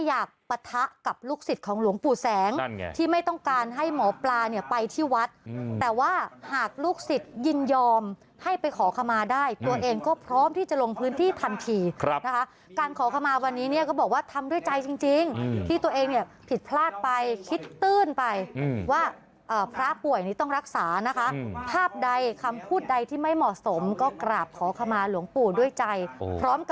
ไม่อยากปะทะกับลูกศิษย์ของหลวงปู่แสงที่ไม่ต้องการให้หมอปลาเนี่ยไปที่วัดแต่ว่าหากลูกศิษย์ยินยอมให้ไปขอคำมาได้ตัวเองก็พร้อมที่จะลงพื้นที่ทันทีการขอคำมาวันนี้เนี่ยก็บอกว่าทำด้วยใจจริงที่ตัวเองเนี่ยผิดพลาดไปคิดตื้นไปว่าพระป่วยนี้ต้องรักษานะคะภาพใดคำพูดใดที่ไม่เหมาะสม